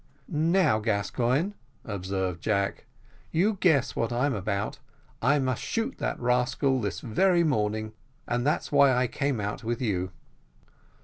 "Now, Gascoigne," observed Jack, "you guess what I'm about I must shoot that rascal this very morning, and that's why I came out with you."